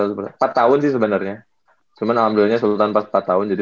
iya seratus empat tahun sih sebenarnya cuman alhamdulillahnya sultan pas empat tahun jadi seratus